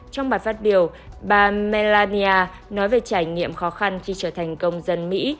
trong bài phát biểu bà mellania nói về trải nghiệm khó khăn khi trở thành công dân mỹ